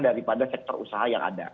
daripada sektor usaha yang ada